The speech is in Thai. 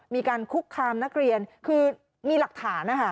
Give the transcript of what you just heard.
มีการคุกคามนักเรียนคือมีหลักฐานนะคะ